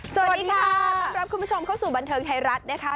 สวัสดีค่ะอยู่บันเทิงไทยรัฐนะคะ